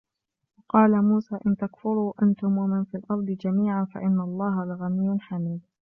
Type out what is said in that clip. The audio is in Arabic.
وَقَالَ مُوسَى إِنْ تَكْفُرُوا أَنْتُمْ وَمَنْ فِي الْأَرْضِ جَمِيعًا فَإِنَّ اللَّهَ لَغَنِيٌّ حَمِيدٌ